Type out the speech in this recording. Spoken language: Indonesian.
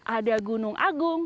ada gunung agung